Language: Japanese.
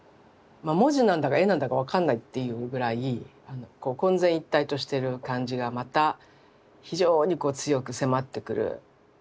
文字なんだか絵なんだか分かんないっていうぐらい混然一体としてる感じがまた非常にこう強く迫ってくる。